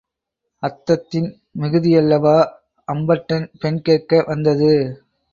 அத்தத்தின் மிகுதியல்லவா, அம்பட்டன் பெண் கேட்க வந்தது?